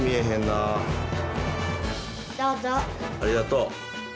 ありがとう。